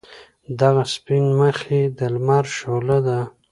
دغه سپین مخ یې د لمر شعله ده.